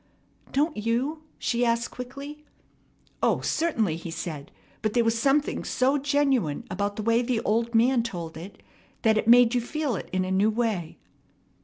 "Don't you?" she asked quickly. "O, certainly!" he said, "but there was something so genuine about the way the old man told it that it made you feel it in a new way."